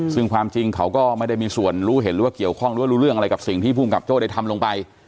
ซึ่งความจริงเขาก็ไม่ได้มีส่วนรู้เห็นหรือว่าเกี่ยวข้องหรือว่ารู้เรื่องอะไรกับสิ่งที่ภูมิกับโจ้ได้ทำลงไป